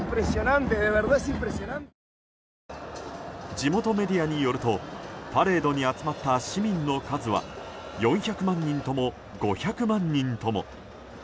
地元メディアによるとパレードに集まった市民の数は４００万人とも５００万人とも。